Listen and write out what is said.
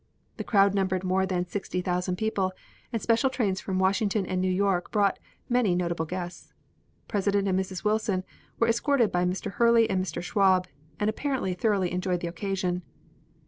The crowd numbered more than sixty thousand people, and special trains from Washington and New York brought many notable guests. President and Mrs. Wilson were escorted by Mr. Hurley and Mr. Schwab, and apparently thoroughly enjoyed the occasion.